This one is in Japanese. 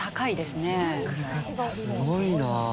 すごいな。